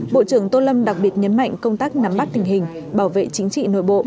bộ trưởng tô lâm đặc biệt nhấn mạnh công tác nắm bắt tình hình bảo vệ chính trị nội bộ